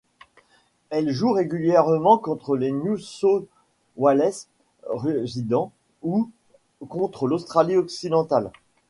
Elle joue régulièrement contre les New South Wales Residents ou contre l'Australie-Occidentale.